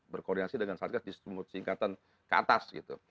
berkoordinasi dengan satgas di singkatan ke atas gitu